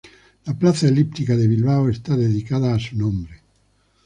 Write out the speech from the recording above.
La Plaza Elíptica de Bilbao está dedicada a su nombre.